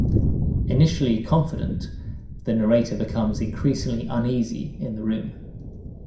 Initially confident, the narrator becomes increasingly uneasy in the room.